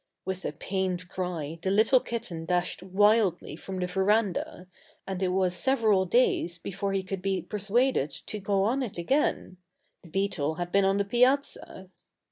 With a pained cry the little kitten dashed wildly from the verandah, and it was several days before he could be persuaded to go on it again the beetle had been on the piazza!